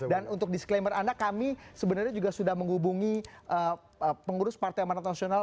dan untuk disclaimer anda kami sebenarnya juga sudah menghubungi pengurus partai pemerintah nasional